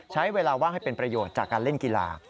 ใช้เวลาว่างให้เป็นประโยชน์จากการเล่นกีฬา